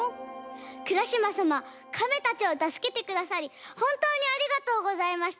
カメたちをたすけてくださりほんとうにありがとうございました。